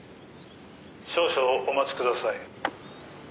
「少々お待ちください」